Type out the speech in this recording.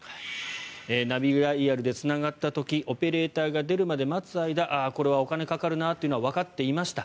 ナビダイヤルでつながった時オペレーターが出るまで待つ間これはお金がかかるなというのはわかっていました。